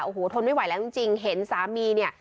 โอ้โหทนไม่ไหวแล้วจริงเห็นสามีเนี่ย